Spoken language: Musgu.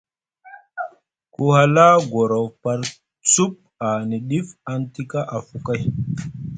Ku hala gorof par cup ahani ɗif aŋ tika afu kay.